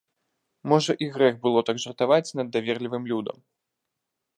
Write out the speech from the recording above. Можа, і грэх было так жартаваць над даверлівым людам.